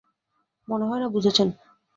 মনে হয়না বুঝেছেন।